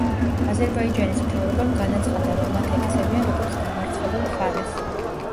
აზერბაიჯანის მთავრობამ განაცხადა, რომ მათ ექცევიან, როგორც „დამარცხებულ მხარეს“.